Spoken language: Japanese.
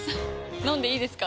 飲んでいいですか？